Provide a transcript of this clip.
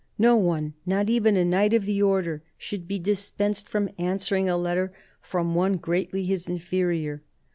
No one, not even a Knight of the Order, should be dispensed from answering a letter from one greatly his inferior.